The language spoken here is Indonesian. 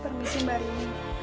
permisi mbak rini